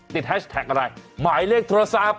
แฮชแท็กอะไรหมายเลขโทรศัพท์